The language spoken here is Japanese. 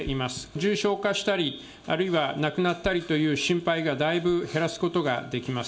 重症化したり、あるいは亡くなったりという心配がだいぶ減らすことができます。